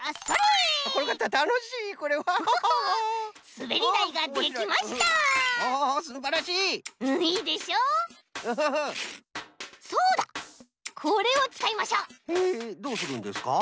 へえどうするんですか？